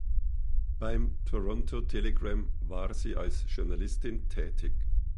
Beim "Toronto Telegram" war sie als Journalistin tätig.